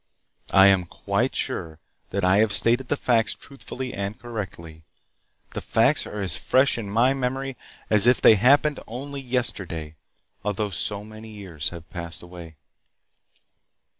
"I am quite sure that I have stated the facts truthfully and correctly. The facts are as fresh in my memory as if they happened only yesterday, although so many years have passed away.